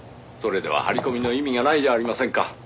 「それでは張り込みの意味がないじゃありませんか」